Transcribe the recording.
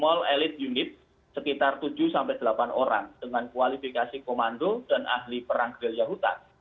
unit kecil sekitar tujuh delapan orang dengan kualifikasi komando dan ahli perang geliah hutan